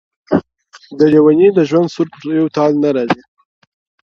o د لېوني د ژوند سُر پر یو تال نه راځي؛